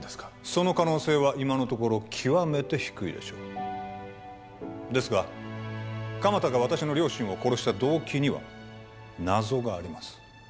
その可能性は今のところ極めて低いでしょうですが鎌田が私の両親を殺した動機には謎があります